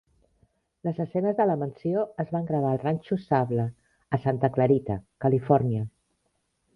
Les escenes de la mansió es van gravar al ranxo Sable a Santa Clarita, Califòrnia.